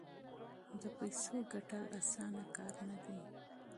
د پیسو ګټل اسانه کار نه دی.